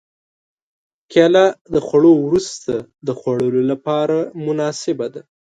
کېله د خوړو وروسته د خوړلو لپاره مناسبه ده.